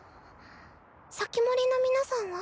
防人の皆さんは？